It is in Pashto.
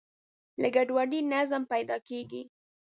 له ګډوډۍ نظم پیدا کېږي.